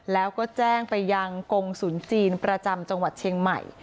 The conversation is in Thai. แล้วก็แจ้งไปยังกงศูนย์จีนประจำจังหวัดเชียงใหม่